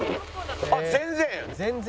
あっ全然？